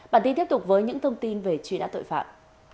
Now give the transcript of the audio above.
bản tin tiếp tục với những thông tin về truy nã tội phạm